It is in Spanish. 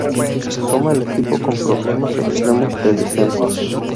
Toma el equipo con problemas extremos de descenso.